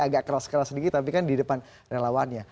agak keras keras sedikit tapi kan di depan relawannya